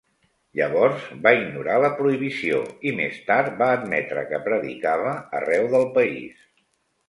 Llavors, va ignorar la prohibició i més tard va admetre que predicava arreu del país.